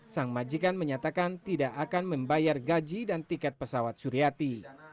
sang majikan menyatakan tidak akan membayar gaji dan tiket pesawat suriati